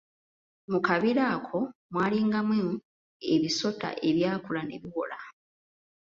Mu kabira ako mwalingamu ebisota ebyakula ne biwola.